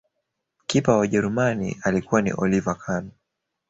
Kipa wa ujerumani alikuwa ni oliver Khan